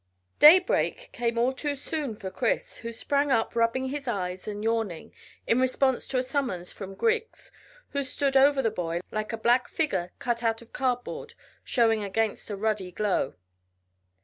Daybreak came all too soon for Chris, who sprang up rubbing his eyes and yawning, in response to a summons from Griggs, who stood over the boy like a black figure cut out of cardboard showing against a ruddy glow.